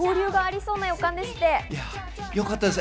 よかったです。